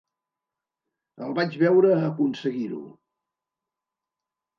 El vaig veure aconseguir-ho.